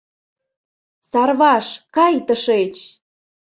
Сарваш, кай тышеч!